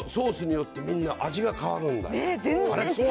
どんな、ソースによって、みんな、味が変わるんだ。